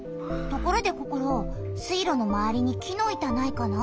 ところでココロ水路のまわりに木の板ないかな？